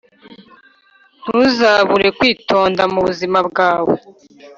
ntuzabure kwitonda mubuzima bwawe